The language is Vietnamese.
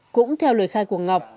cũng theo lời khai của ngọc